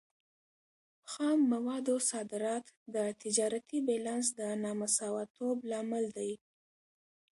خام موادو صادرات د تجارتي بیلانس د نامساواتوب لامل دی.